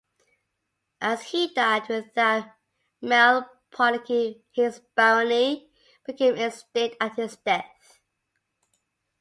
As he died without male progeny his barony became extinct at his death.